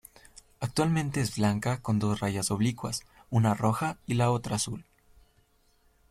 Actualmente es blanca con dos rayas oblicuas, una roja y la otra azul.